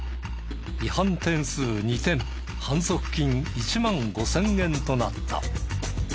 違反点数２点反則金１万５０００円となった。